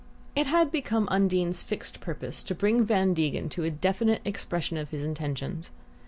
It had become Undine's fixed purpose to bring Van Degen to a definite expression of his intentions.